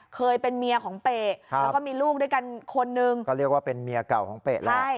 เคยเป็นเมียของเปะแล้วก็มีลูกด้วยกันคนนึงก็เรียกว่าเป็นเมียเก่าของเป๊ะแล้ว